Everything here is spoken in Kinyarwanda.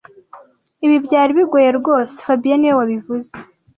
Ibi byari bigoye rwose fabien niwe wabivuze